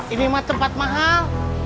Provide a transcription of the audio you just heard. ini mah tempat mahal